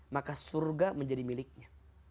maka surga menjadi miliknya